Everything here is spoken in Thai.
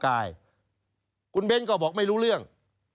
นายเบนตะนี้ไม่ผิด